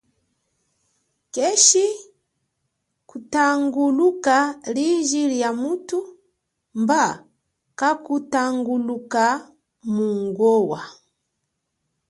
Keshi kutangunuka liji lia muthu, mba kakutangunuka mungowa.